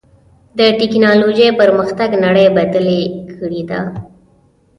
د ټکنالوجۍ پرمختګ نړۍ بدلې کړې ده.